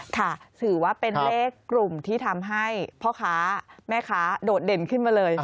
ค่ะถือว่าเป็นเลขกลุ่มที่ทำให้พ่อค้าแม่ค้าโดดเด่นขึ้นมาเลย